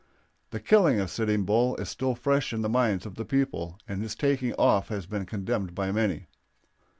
The killing of Sitting Bull is still fresh in the minds of the people, and his taking off has been condemned by many.